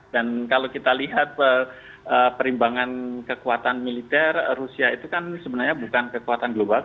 dan kalau kita lihat perimbangan kekuatan militer rusia itu kan sebenarnya bukan kekuatan global